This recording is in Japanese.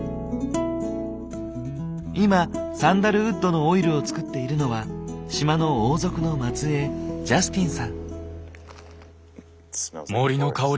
今サンダルウッドのオイルを作っているのは島の王族の末えいジャスティンさん。